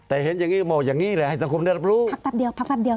แต่เห็นอย่างนี้บอกอย่างนี้แหละให้สังคมได้รับรู้พักแป๊บเดียวพักแป๊บเดียว